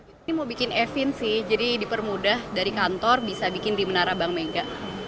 ini mau bikin efin sih jadi dipermudah dari kantor bisa bikin di menara bank mega